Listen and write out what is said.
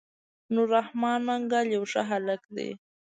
نور رحمن منګل يو ښه هلک دی.